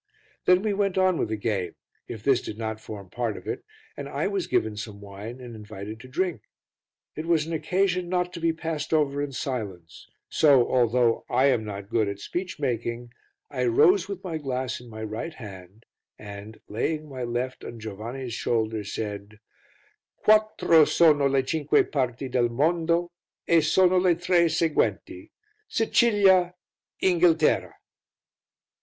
Then we went on with the game, if this did not form part of it, and I was given some wine and invited to drink. It was an occasion not to be passed over in silence, so, although I am not good at speech making, I rose with my glass in my right hand and, laying my left on Giovanni's shoulder said "Quattro sono le cinque parti del mondo e sono le tre seguenti: Sicilia, Inghilterra."